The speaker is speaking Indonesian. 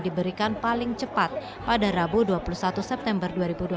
diberikan paling cepat pada rabu dua puluh satu september dua ribu dua puluh